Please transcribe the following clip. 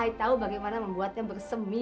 tahu bagaimana membuatnya bersemi